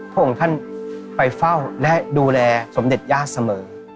พระองค์ท่านไปเฝ้าและดูแลสมเด็จย่าเสมอ